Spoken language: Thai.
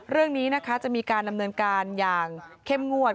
เรื่องนี้นะคะจะมีการดำเนินการอย่างเข้มงวด